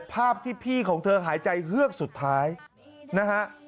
ภาพที่พี่ของเธอหายใจเฮือกสุดท้ายนะฮะ